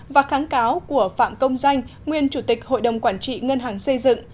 và kháng cáo của phạm công danh nguyên chủ tịch hội đồng quản trị ngân hàng xây dựng